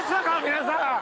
皆さん！